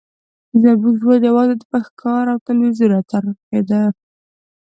زموږ ژوند یوازې په ښکار او تلویزیون راڅرخیده